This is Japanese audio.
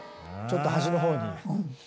ちょっと端の方に。